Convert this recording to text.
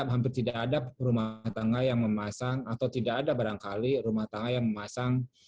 hampir tidak ada rumah tangga yang memasang atau tidak ada barangkali rumah tangga yang memasang